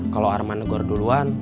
kalau arman negor duluan